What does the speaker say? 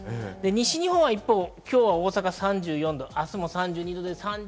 西日本は一方、今日の大阪は３４度、明日も３２度。